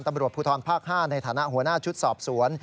ตำรวจภูทรภาค๕ในฐานะหัวหน้าชุดสอบสวน